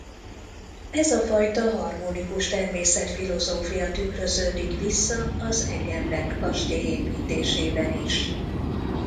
Ez a fajta harmonikus természetfilozófia tükröződik vissza az Eggenberg-kastély építésében is.